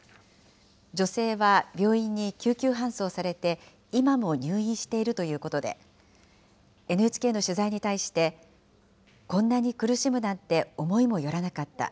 女性は病院に救急搬送されて、今も入院しているということで、ＮＨＫの取材に対して、こんなに苦しむなんて思いもよらなかった。